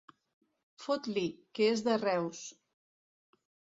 Fot-li, que és de Reus!